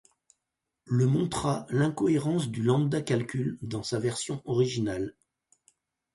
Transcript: Le montra l’incohérence du lambda-calcul dans sa version originale.